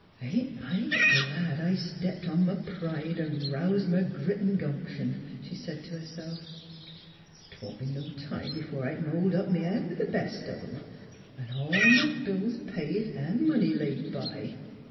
" Ain't I glad I stepped on m' pride an' roused m' grit 'n' gumption?" she said to herself. " 'Twon't be no time b'fore I c'n hold up m' head with th' best of 'em all m' bills paid 'n' money laid by.